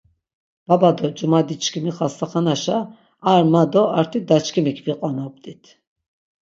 Baba do cumadiçkimi xastaxanaşa ar ma do arti daçkimik viqonop̌t̆it.